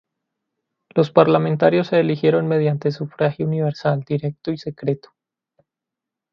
Los parlamentarios se eligieron mediante sufragio universal, directo y secreto.